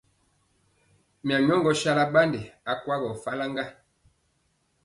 Mya nyɔ sala ɓandi akwagɔ falk ŋga.